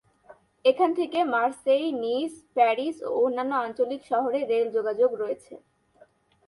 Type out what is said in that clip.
এখান থেকে Marseille, Nice, Paris ও অন্যান্য আঞ্চলিক শহরে রেল যোগাযোগ রয়েছে।